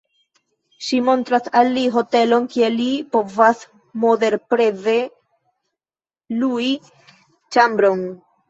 Ŝi montras al li hotelon kie li povas moderpreze lui ĉambron.